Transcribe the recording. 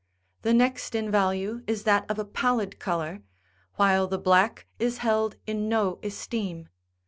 The next in value is that of a pallid colour, while the black is held in no esteem.